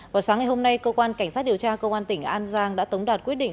vào sáng ngày hôm nay cơ quan cảnh sát điều tra công an tỉnh an giang đã tống đạt quyết định